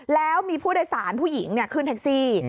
แล้วมีผู้โดยสารผู้หญิงขึ้นแท็กซี่